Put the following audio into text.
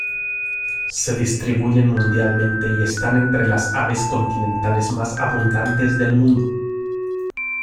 Se distribuyen mundialmente y están entre las aves continentales más abundantes del mundo.